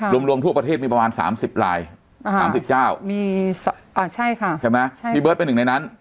รวมรวมทั่วประเทศมีประมาณ๓๐ลายใช่ไหมพี่เบิร์ดเป็นหนึ่งในนั้น